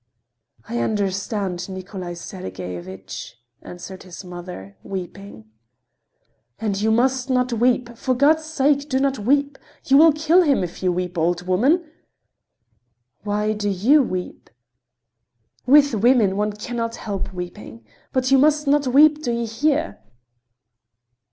"I understand, Nikolay Sergeyevich," answered the mother, weeping. "And you must not weep. For God's sake, do not weep! You will kill him if you weep, old woman!" "Why do you weep?" "With women one cannot help weeping. But you must not weep, do you hear?"